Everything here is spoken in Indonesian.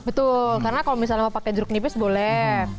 betul karena kalau misalnya mau pakai jeruk nipis boleh